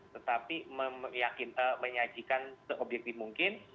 tetapi menyajikan se objektif mungkin